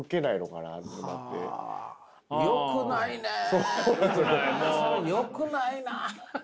よくないなあ。